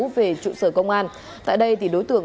về trụ sở công an tại đây thì đối tượng